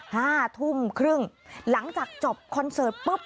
ห้าทุ่มครึ่งหลังจากจบคอนเสิร์ตปุ๊บ